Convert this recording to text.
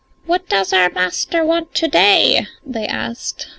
] "What does our master want to day?" they asked.